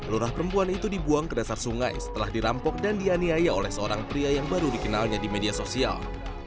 lurah perempuan itu dibuang ke dasar sungai setelah dirampok dan dianiaya oleh seorang pria yang baru dikenalnya di media sosial